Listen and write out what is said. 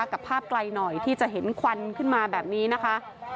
กับภาพไกลหน่อยที่จะเห็นควันขึ้นมาแบบนี้นะคะ